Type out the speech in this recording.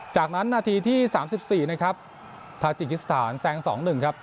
จากนั้นนาทีที่๓๔นะครับทาจิกิสถานแซง๒๑ครับ